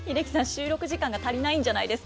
収録時間が足りないんじゃないですか？